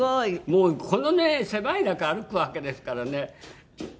もうこのね狭い中歩くわけですからね。